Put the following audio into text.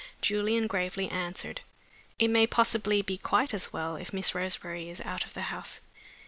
Julian gravely answered: "It may possibly be quite as well if Miss Roseberry is out of the house."